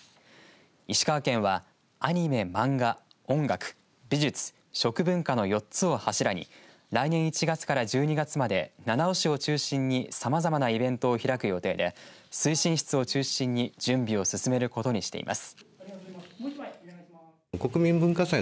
石川県はアニメ・マンガ、音楽美術、食文化の４つを柱に来年１月から１２月まで七尾市を中心にさまざまなイベントを開く予定で推進室を中心に準備を進めることにしています。